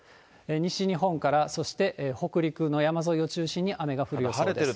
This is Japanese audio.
西日本から、そして北陸の山沿いを中心に雨が降る予想です。